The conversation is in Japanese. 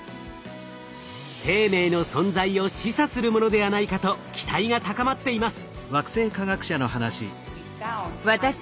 生命の存在を示唆するものではないかと期待が高まっています。